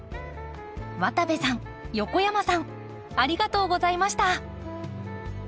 渡部さん横山さんありがとうございました。